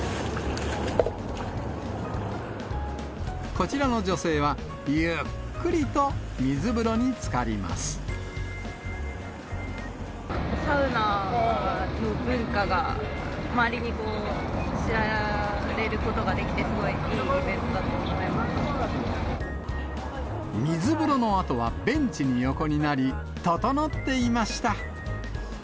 こちらの女性は、サウナの文化が、周りに知られることができて、すごい、いいイベントだと思いま水風呂のあとはベンチに横になり、整っていました。